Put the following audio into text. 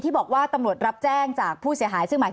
ที่บอกว่าตำรวจรับแจ้งจากผู้เสียหาย